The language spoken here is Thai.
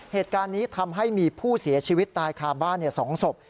เหตุการณ์นี้ทำให้มีผู้เสียชีวิตตายคาบ้าน๒ศพ